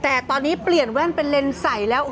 แต่ตอนนี้เปลี่ยนแว่นเป็นเลนส์ใสแล้ว